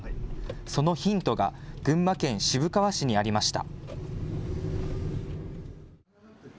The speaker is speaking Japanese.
そのヒントが群馬県渋川市にありました。